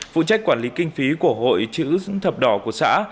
phụ trách quản lý kinh phí của hội chữ thập đỏ của xã